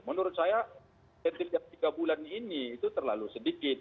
menurut saya insentif yang tiga bulan ini itu terlalu sedikit